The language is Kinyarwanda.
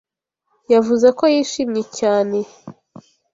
Yavuze ko yishimye cyane.